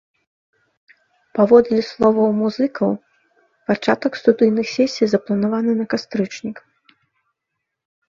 Паводле словаў музыкаў, пачатак студыйных сесій запланаваны на кастрычнік.